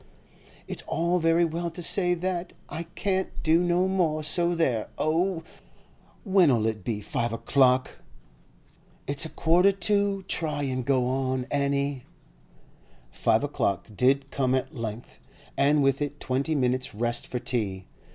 'It's all very well to say that. I can't do no more, so there! Oh, when'll it be five o'clock?' 'It's a quarter to. Try and go on, Annie.' Five o'clock did come at length, and with it twenty minutes' rest for tea.